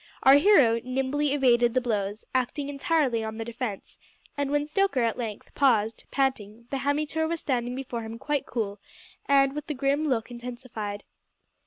Our hero nimbly evaded the blows, acting entirely on the defensive, and when Stoker at length paused, panting, the hammytoor was standing before him quite cool, and with the grim look intensified.